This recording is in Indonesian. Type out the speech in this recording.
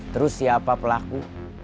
terus siapa pelaku